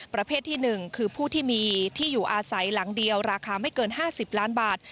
ประเภทที่๑คือผู้ที่มีที่อยู่อาศัยหลังเดียวราคาไม่เกิน๕๐ล้านบาท